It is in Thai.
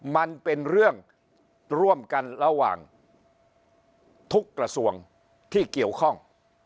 มันเป็นเรื่องร่วมกันระหว่างทุกกระทรวงที่เกี่ยวข้อง